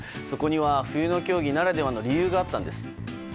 そこには冬の競技ならではの理由があったんです。